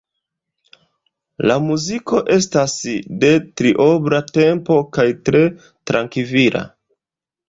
La muziko estas de triobla tempo kaj tre trankvila.